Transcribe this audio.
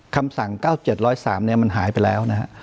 คำสั่ง๙๗๐๓มันหายไปแล้วนะฮะ